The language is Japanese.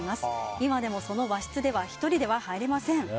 今でもその和室では１人では入れません。